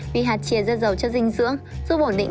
vì hạt chia rất giàu chất dinh dưỡng giúp bổn định